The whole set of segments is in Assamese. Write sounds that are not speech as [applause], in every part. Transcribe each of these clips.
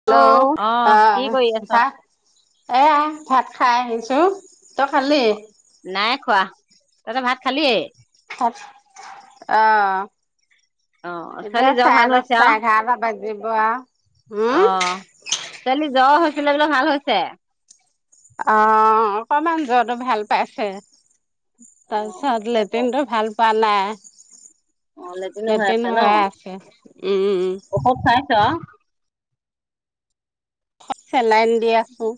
হেল্ল'! অ', অ', অঁ কি কৰি আছ? হা এয়া ভাত খাই আহিছোঁ। তই খালি? নাই খোৱা। তহঁতে ভাত খালি? ভাত [unintelligible] আহ অ', এতিয়া ছোৱালী জ্বৰ ভাল চাৰে হৈছে দহটা, আৰু? এঘাৰটা বাজিব আৰু। হুম! অ', ছোৱালী জ্বৰ হৈছিলে বোলে ভাল হৈছে? অঁ! অকমান জ্বৰটো ভাল পাইছে। তাৰপিছত অ', লেট্ৰিনটো ভাল পোৱা অ', লেটিনো নাই। লেট্ৰিন আছে হৈ ন'? আছে। উম! ঔষধ খোৱাইছ? চেলাইন দি আছোঁ।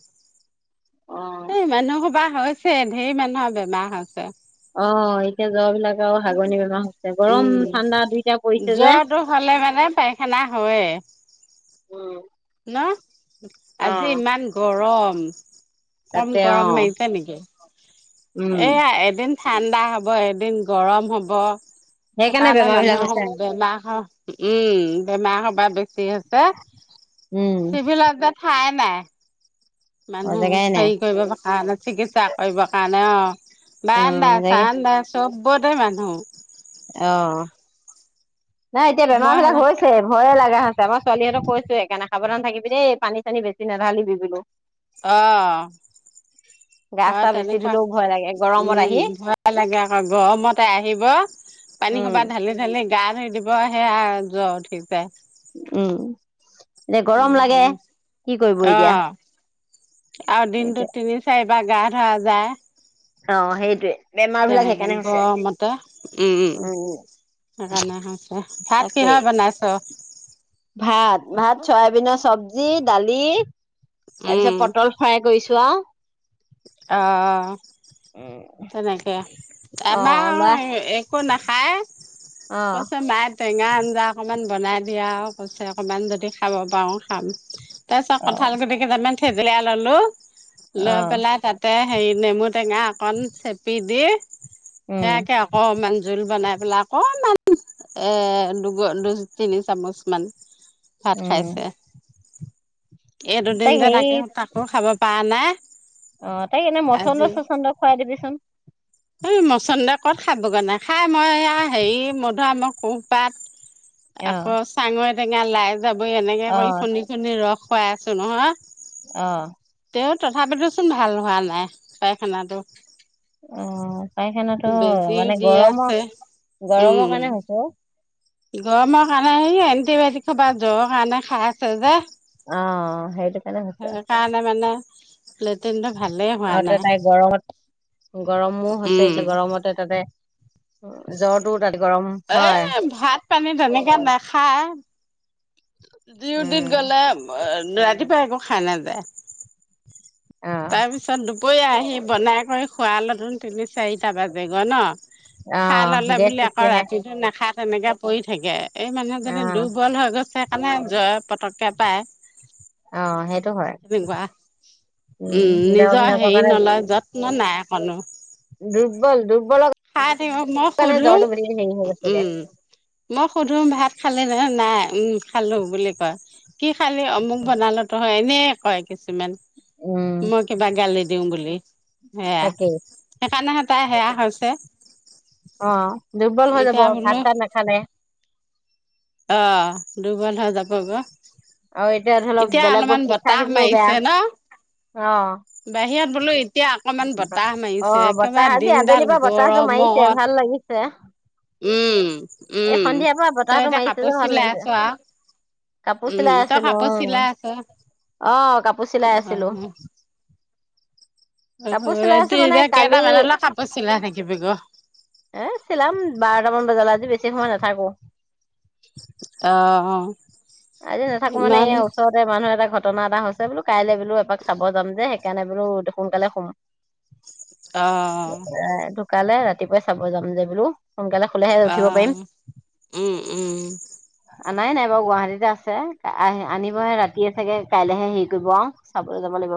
অ', এই মানুহ [unintelligible] হৈছে, ধেৰ মানুহৰ বেমাৰ হৈছে। অঁ। এতিয়া জ্বৰ বিলাক আৰু হাগনি বেমাৰ হৈছে। গৰম, উম ঠাণ্ডা দুইটা পৰিছে যে। হেনা হয়ে। উম! ন আজি অ', ইমান গৰম কম তাতে গৰম অ', মাৰিছে নেকি উম, এয়া এদিন ঠাণ্ডা হ'ব এদিন গৰম হ'ব, সেইকাৰণে সেকাণে বেমাৰ বিলাক মানুহক হৈছে। বেমা হ উম, বেমা সপা বেছি হছে উম, চিভিলত যে ঠায়ে নাই অ', মানুহ জেগাই নাই, হেই কৰিব কাৰণে চিকিৎসা কৰিব কাৰণে অ'। অ', বাৰান্দা জেগা চানদা চবতে মানুহ অ', নাই এতিয়া বেমা মই বিলাক সেনা হৈছ [unintelligible] ভয়ে লাগা হছে মই ছোৱালীহঁতক কৈছো সেইকাণে সাৱধান থাকিবি দেই পানী চানী বেছি নাঢালিবি বোলোঁ। অ', গা অ', চা বেছি তেনেকুৱা ধুলেও ভয় লাগে গৰমত আহি উম [unintelligible] [unintelligible] লাগে আকৌ গৰমতে আহিব পানী উম সোপা ঢালিত [unintelligible] গা ধুই দিব সেয়া আও জ্বৰ উঠিছে। উম, এতিয়া উম গৰম লাগে উম কি কৰিব অ এতিয়া? আৰু এতিয়া দিনটোত তিনি চাৰিবাৰ গা ধোৱা যায় অ', সেইটোৱে বেমাৰ বিলাক তেনেকে সেইকাৰণে হৈছে গৰমতে উম। সেইকাৰণে হৈছে ভাত তাকেই কিহৰ বনাইছ? ভাত ভাত চয়াবিন চবজি, দালি তাৰপিছত পটল ফ‌্ৰাই কইছো আও। অ', উম তেনেকে অ আমা লৰা আও [unintelligible] কো নাখায় অ কৈছে মায়েব টেঙা আঞ্জা অকমান বনাই দিয়া আও কৈছে অকমান যদি খাব পাৰোঁ খাম। তাপিছত অ কঠাল গুটি কেটা মান থেতেলিয়াই ল'লো লৈ অ' [unintelligible] তাতে হেৰি নেমু টেঙা অকণ চেপি দি উম সেয়াকে অক অমান জোল বনাই পেলাই অকণমান এ, দুগ দুই, তিনি চামুচ মান ভাত উম খাইছে। এই দুদিন তাইক যে তাকে হেৰি তাকো খাব পাৰা নাই। অ', তাইক এনে আজি মছন্দৈ চচন্দৈ খুৱাই দিবিচোন। এই মছন্দৈ ক'ত খাবগৈ নাখায় মই এইয়া হেৰি মধুআম কুঁহপাত অ আকৌ চাঙৈ টেঙা লাই জাবই এনেকে অ কই খুন্দি খুন্দি ৰস খুৱাই আছোঁ নহয়। অ'। তেওঁ তথাপিতো চোন ভাল হোৱা নাই পায়খানাটো। অ', পাইখেনাতো বেজিও মানে দি গৰম আছে গৰম উম কাৰণে হৈ হৈছে অ'। গৰমৰ কাৰণে সেই এণ্টিবায়টিক সোপা জ্বৰ কাৰণে খাই আছে যে অ', অ', সেইটো কাৰণে হৈছে সেইকাৰণে মানে লেটিনটো ভালেই হোৱা আৰু তে নাই। তাই গৰমত গৰমো হছে উম এতিয়া গৰমতে তাতে অ', জ্বৰটো তাত গৰম এই হয় ভাত পানী তেনেকে নেখায়। ডিউটিত উম, গ'লে [unintelligible] ৰাতিপুৱা একো খাই নাযায়। অ', তাৰপিছত দুপৰীয়া আহি বনাই কৰি খোৱালেতোন তিনি চাৰিটা বাজেগৈ ন খাই অ', ল'লে গেছ বুলি উঠি আকৌ আহে ৰাতিটো নাখায় তেনেকে পৰি থাকে এই মানুহজনী অ', দুৰ্বল হৈ গৈছে কাণে জ্বৰে পতককে পায়। অ', সেইটো হয়। তেনেকুৱা উম জ্বৰ নিজ বিলাকৰ হেই কাৰণে নলয় যত্ন নাই অকনো। দুৰ্বল দুৰ্বলক খাই থাকিব মই সোধো, হৈ গৈছে এতিয়া উম। মই সুধো ভাত খালে নে নাই? উম, খালোঁ বুলি কয়। কি খালি অমুক বনালোঁ তই, এনে কয় কিছুমান। উম, মই কিবা গালি দিওঁ বুলি, সেয়া তাকেই সেইকাৰণেহে তাই সেয়া [unintelligible] অ' দুৰ্বল হৈ যাব, এতিয়া বোলো ভাত চাত নাখালে। অ', দুৰ্বল হৈ যাব গৈ। আৰু ধৰি লওক এতিয়া বেলেগ অলপমান বস্তু খাই বতাহ থাকিলেও বেয়া মাৰিছে ন'? অ', বাহিৰত বোলো এতিয়া অকমান বতাহ অ মাৰিছে, বতাহ একেবাৰে আজি আবেলিৰ দিনডাল পৰা বতাহটো মাৰিছে গৰমত ভাল লাগিছে। উম, এ উম। সন্ধিয়াৰ পৰা তই বতাহটো এতিয়া মাৰিছে কাপোৰ যে ভাল চিলাই আছ লাগিছে। আৰু? কাপোৰ উম, চিলাই তই আছিলোঁ কাপোৰ অ', চিলাই আছ? অ' কাপোৰ চিলাই আছিলোঁ। অ'। কাপোৰ [inaudible] চিলাই আছো ৰাতি মানে এতিয়া কালি কেইটামানলৈ কাপোৰ চিলাই থাকিবি গৈ? এ চিলাম বাৰটামান বজালে, আজি বেছি সময় নাথাকো। অ' অ'। আজি নাথাকো মানে ইয়াৰ ওচৰত এ মানুহ এটা ঘটনা এটা হৈছে বোলো কাইলৈ বোলো এপাক চাব যাম যে সেইকাৰণে বোলো সোনকালে শুম। অ', [inaudible] ঢুকালে ৰাতিপুৱাই চাব যাম যে বোলো। সোনকালে শুলেহে উঠিব পাৰিম। অ', উম, উম। আনাই নাই বাৰু গুৱাহাটীতে আছে, আ-আ আনিবহে ৰাতিয়ে চাগে। কাইলেহে হেৰি কৰিব আৰু চাবলৈ যাব লাগিব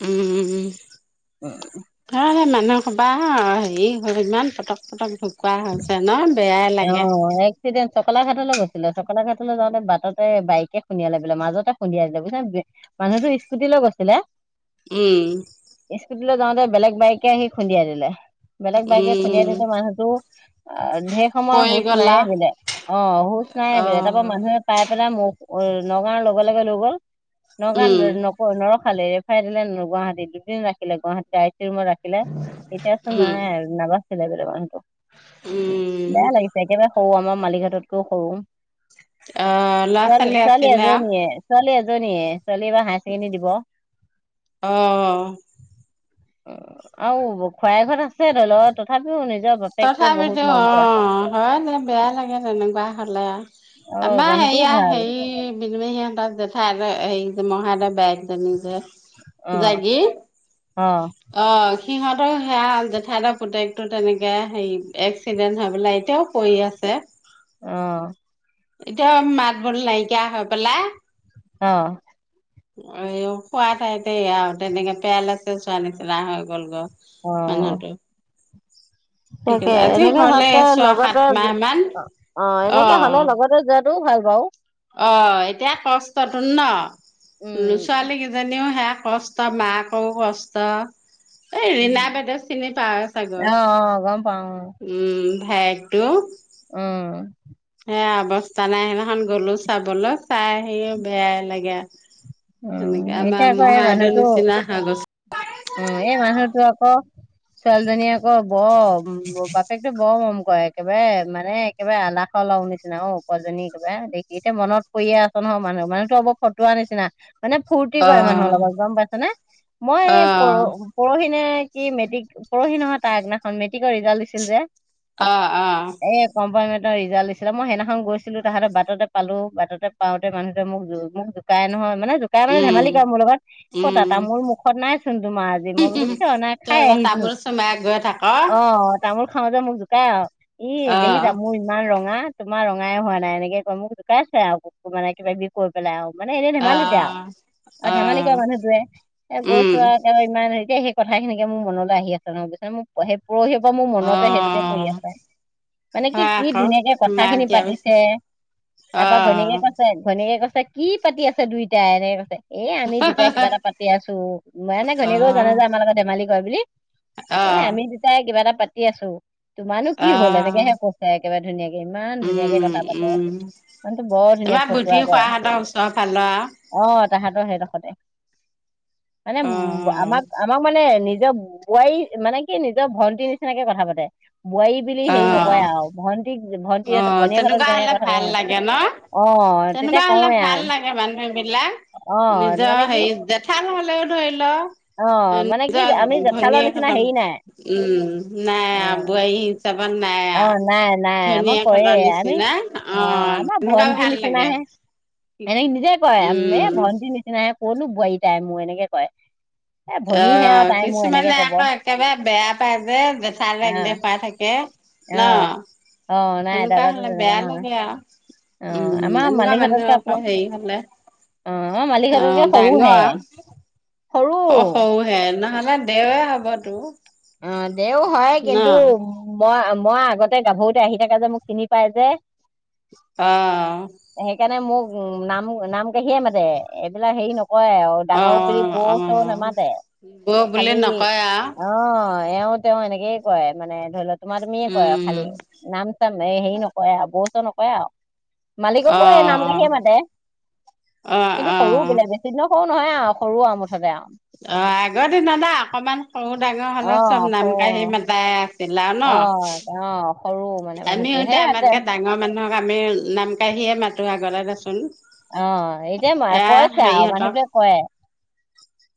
উম, উম। [inaudible] হেৰি ইমান ইমান পটক পটক [inaudible] হৈছে ন', বেয়াই লাগে। সিদিন চকলা ঘাটলৈ গৈছিলে, চকলা ঘাটলৈ যাওঁতে বাটতে বাইকে খুন্দিয়ালে বোলে মাজতে খুন্দিয়াই দিলে, বুজিছা নে মানুহটো স্কুটিলৈ গৈছিলে। উম। স্কুটিলৈ যাওঁতে বেলেগ বাইকে আহি খুন্দিয়াই দিলে। বেলেগ বাইকে খুন্দিয়াই উম থৈছে মানুহতো, আ ধে সময়ৰ পৰি হুচ গলা নাইয়ে বোলে, অ' হুচ নাই অ বোলে তাৰ পৰা মানুহে চাই পেলাই [unintelligible] নগাঁও লগে লগে লৈ গ'ল, নগাঁও ন উম ন-নৰখালে ৰেফাৰ দিলে হেনো গুৱাহাটীত, দুদিন ৰাখিলে গুৱাহাটীতে আই চি‌ ইউ ৰুমত ৰাখি [inaudible] এতিয়া চোন উম নাই, নাবাচিলে বোলে মানুহটো। হম। বেয়া লাগিছে একেবাৰে সৰু আমাৰ মালিক হ'ততকৈও সৰু। অ ল'ৰা ছোৱালী, ছোৱালী আছিলে আও এজনীয়ে। ছোৱালী এজনীয়ে, ছোৱালী এইবাৰ হায়াৰ ছেকেণ্ডাৰী দিব। অ উম, আৰু খুৰায়েক হত আছে দলত তথাপিও মানে তথাপিতো অ' হয় দে বেয়া লাগে তেনেকুৱা হ'লে। অ আমা মানুহটোও সেয়া ভাল হেৰি ভিনো মাহী জেঠাই হতৰ হেৰি যে মহা হতৰ বায়েকজনী যে। অ যাগি। অ অ' সিহঁতৰ সেয়া জেঠাইহতৰ পুতেকটো তেনে [inaudible] এক্সিডেণ্ট হৈ পেলাই এতিয়াও পৰি আছে। অ'। এতিয়াও মাত বোল নাইকিয়া হৈ পেলাই অ'। এ খোৱা ঠাইতে একয়া আৰু তেনেকে পেৰালাইচিছ হোৱা নিচিনা হৈ গ'ল গৈ। অ মানুহটো। ঠিক তাকে আছে আজি এনেকে হ'লে হোৱাতকে ছয় সাত লগতে, মাহ মান অ' এনেকে হ'লে অ' লগতে যে তো ভাল বাৰু। অ', এতিয়া কষ্টটোৰ ন, উম ছোৱালী কেইজনীও সেয়া কষ্ট তাৰ মায়েকৰো কষ্ট। এই ৰিণা উম বাইদেউক চিনি পাওয়ে চাগৈ। অ অ গম পাও উম ভায়েকটো। উম। সেয়া অৱস্থা নাই, সেইদিনাখন গ'লো চাবলৈ চাই আহিও বেয়াই লাগে। সেনেকে, উম এতিয়া আমাৰ আকৌ এই মহা সেহতঁৰ মানুহটো নিচিনা হৈ গৈছে। উম, এই মানুহটো আকৌ, ছোৱালীজনীয়ে আকৌ বৰ তাইকটো বৰ মৰম কৰে, একেবাৰে মানে একেবাৰে আলাসৰ লাৰু নিচিনা অ', পোৱালী জনী একেবাৰে দে এতিয়া মনত পৰিয়ে আছো ন, মানুহ মানুহটো অলপ ফটোৱাৰ নিচিনা মানে ফূৰ্তি কৰে মানুহৰ অ', লগত, গম পাইছে নে, মই এই পৰ অ', পৰহিনে কি মেট্ৰিক, পৰহি নহয় তাৰ আগদিনাখন মেট্ৰিকৰ ৰিজাল্ট দিছিল যে। অ', অ'। এই কম্পাৰমেণ্টৰ ৰিজাল্ট দিছিলে, মই সেইদিনাখন গৈছিলো, তাহাঁক বাটতে পালো বাটতে পওঁতে মানুহটোৱে মোক জো, মোক জো কাই নহয় মানে যোক তাই মানে উম, ধেমালি কৰা মোৰ লগত, ক'তা উম, তামোল মুখত নাইচোন তোমাৰ আজি মই বোলো কিয় নাই তই খাই যে আহিছো তামোল চুবাই গৈ থাক। অ তামোল খাওঁজে মোক জোকাই আৰু, ই অ', দেখিছা মোৰ ইমান ৰঙা। তোমাৰ ৰঙাই হোৱা নাই, এনেকে কয়, মোক জোকাইছে আৰু মানে কিবা বি কৰি পেলাই আৰু মানে এনেই ধেমালি তে আৰু, আৰু ধেমালি কৰে অ', মানুহটোৱে, এ উম, গৈছো আৰু তেওঁ ইমান হেৰি কথা খিনিকে মোৰ মনলৈ আহি আছে নহয়, বুজিচনে মোৰ সেই পৰহি পৰা মোৰ মনতে সেইটোকে পৰি অ', আছে। মানে কি, হয় কি আকৌ ধুনীয়াকে কথা মাত খিনি দিয়াৰ পাতিছে পিছত তাৰপা ঘৈণীয়েকে অ', কৈছে, ঘনীয়েকে কৈছে, কি পাতি আছে দুইটাই এনেকে কৈছে। এ আমি দুটাই কিবা এটা পাতি আছো, মানে নে ঘনীয়েকও জানে অ', যে আমাৰ লগত ধেমালি কৰে বুলি অ', এ আমি দুটাই কিবা এটা পাতি আছো, তোমাৰনো কি হ'ল অ', এনেকেহে কওঁ একেবাৰে ধুনীয়াকে, ইমান ধুনীয়াকে উম, কথা পাতে, উম, মানে বৰ ধুনীয়া ফটোৱা কয়। চাহ খালা? অ', তাহাঁতৰ সেইডখৰতে। মানে অ উম, আমাক, আমাক মানে নিজৰ বোৱাৰী মানে কি নিজৰ ভণ্টিৰ নিচিনাকে কথা পাতে, বোৱাৰী বুলি অ হেৰি নকৰে আৰু ভন্টিক, ভণ্টিহত ভনীয়েহত জেনেকে কথা কয় বেমাৰ? অ', তেতিয়া কওঁৱে আৰু। মানুহ বিলাক, অ নিজৰ মানে কি হেৰি জেঠাল নহলেঁও ধৰি ল অ মানে কি নিজৰ আমি জেঠালৰ নিচিনা ভনীয়েকহতঁক, হেৰি নাই উম, নাই অ আহ বোৱাৰী হিচাপত নাই অ', নাই নাই, আমাক কয়ে, ভনীয়েকহঁতৰ আমি নিচিনা অ' আমাৰ তেনেকুৱা ভন্টি ভাল নিচিনা লাগে হে। এনেকে নিজে কয়, এ উম ভণ্টিৰ নিচিনাে কৰনো বোৱাৰী তাই মোৰ এনেকে কয়। এ ভনীহে আৰু আহ, তাই মোৰ এনেকে কিছুমানে কব আকৌ একেবাৰে বেয়া পায় যে অ জেঠালেক দেখাই থাকে। অ ন, অ নাই সেনেকুৱা দাদাটো হ'লে তেনেকুৱা বেয়া লাগে আৰু। অ উম, আমাৰ এনেকোৱা মালিকহঁততকে মানুহ আকৌ হেৰি হ'লে অ আমাৰ অ মালিকহঁততকে সৰুহে ডাঙৰ সৰু অহ সৰুহে নহ'লে দেওে হ'ব তোৰ। অ দেওৰ হয় ন কিন্তু। মই, মই আগতে গাভৰুতে আহি থাকা যে মোক চিনি পাই যে। অ। সেইকাৰণে মোক নাম, নাম কাঢ়িয়ে মাতে এইবিলাক হেৰি নকৰে আৰু। অ ডাঙৰ বুলি বৌ অ চৌ নামাতে বৌ বুলি খালি নকয় আৰু অ এওঁ তেওঁ এনেকেই কয় মানে ধৰি ল' তোমাৰ তুমিয়ে কয়। উম খালি নাম চাম এই হেৰি নকৰে আৰু বৌ চৌ নকৰে আৰু। অ মালিককো এই নাম কাঢ়িয়ে অ মাতে অ কিন্তু অ সৰুও বোলে অ বেছি [unintelligible] সৰু নহয় আৰু সৰু আৰু মুঠতে আৰু। অ আগৰ দিনত আ অকমান সৰু ডাঙৰ হ'লে চব অ', সৰু নাম কাঢ়ি মাতে। অ', [unintelligible] অ সৰু। মানে মানুহটো আমিও এতিয়া সেইয়াতে আমাতকে ডাঙৰ মানুহক আমি নাম কাঢ়িয়ে মাতো আগতে দেচোন। অ এতিয়া মই এ কৈছে আৰু হেৰিহঁতক মানুহটোৱে কয়।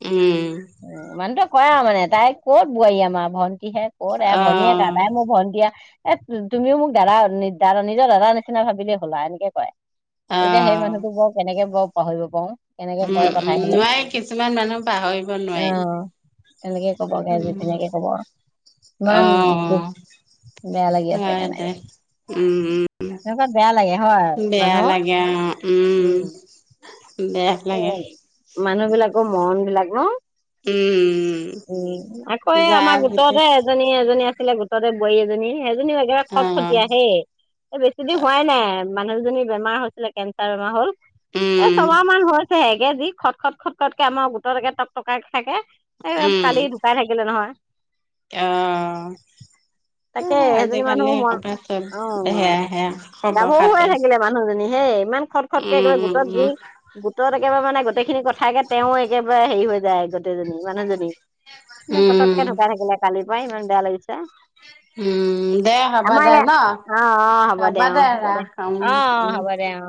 উম। উম মানুহতো কয় আৰু মানে তাই ক'ত বোৱাৰী আমাৰ ভণ্টিহে। অ' তাই ভনীয়ে [unintelligible] তাই মোৰ ভন্তি আ এ তুমিও মোক দাদা নিজৰ দাদাৰ নিচিনা ভাবিলে হ'ল আৰু এনেকে কয়। অ এতিয়া সেই মানুহটো বাৰু কেনেকে বাৰু পাহৰিব পাৰোঁ। উম, উম নোৱাৰি কিছুমান মানুহ। পাহৰিব অ নোৱাৰি, তেনেকে কব যি তেনেকে কব উম। অ ইমান দুখ বেয়া লাগি আছে হয় দে উম, উম। অ বেয়া লাগে হয়। বেয়া মানুহৰ লাগে অ উম বেয়া লাগে। উম মানুহ বিলাকৰ মনবিলাক নহ। উম, উম আকৌ এই আমাৰ যাৰ গোটেই গোটতে এজনী, এজনী আছিলে গোটতে বোৱাৰী এজনী সেইজনীও দিয়া খট অ', খটীয়া হে এই বেছি দিন হোৱাই নাই মানুহজনী বেমাৰ হৈছিলে কেঞ্চাৰ বেমাৰ হ'ল। এই উম, ছমাহ মান হৈছে হেগে যি খট, খট, খট খটকে আমাৰ গোটত একে টক টকাই থাকে। এই উম, কালি ঢুকাই থাকিলে নহয়। অ,। তাকে সেইজনী মানুহ আজিকালি মন কবাৰ চব অ সেয়া, সেয়া খবৰ গাভৰু হৈ খাতি। থাকিলে মানুহজনী হেই ইমান খট উম, খটকে একেবাৰে উম, গোটত যি উম। গোটত একেবাৰে মানে গোটেইখিনি কথাকে তেওঁ একেবাৰে হেৰি হৈ যায় গোটেইজনী মানুহজনী। [unintelligible] উম, পতককে ঢুকাই থাকিলে কালি পাই ইমান বেয়া লাগিছে। উম। দে হ'ব আমাৰ দে ইয়াত নহ অ অ হব অ দে ৰাখ উম, অ অ উম। হ'ব দে অ